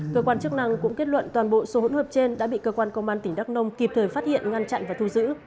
cơ quan chức năng cũng kết luận toàn bộ số hỗn hợp trên đã bị cơ quan công an tỉnh đắk nông kịp thời phát hiện ngăn chặn và thu giữ